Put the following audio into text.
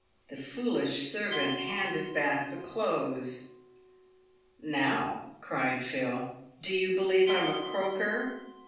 The foolish servant had handed back the clothes. " Now," cried Phil, " do you believe I'm a croaker